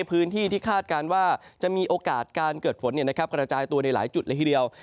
พื้นที่ที่คาดการณ์ว่าจะมีโอกาสการเกิดฝนกระจายตัวในหลายจุดเลยทีเดียว